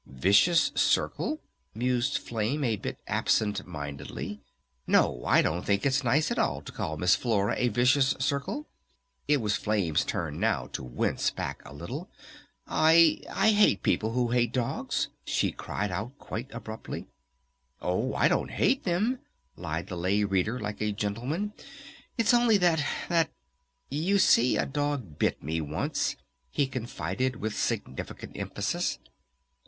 "Vicious Circe?" mused Flame, a bit absent mindedly. "No, I don't think it's nice at all to call Miss Flora a 'Vicious Circe.'" It was Flame's turn now to wince back a little. "I I hate people who hate dogs!" she cried out quite abruptly. "Oh, I don't hate them," lied the Lay Reader like a gentleman, "it's only that that . You see a dog bit me once!" he confided with significant emphasis.